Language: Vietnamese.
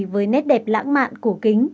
với nét đẹp lãng mạn của kính